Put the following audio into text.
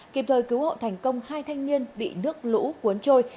kịp thời cứu hộ thành công hai thanh niên bị nước lũ cuốn trôi